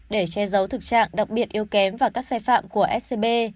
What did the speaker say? để che giấu thực trạng đặc biệt yếu kém và các sai phạm của scb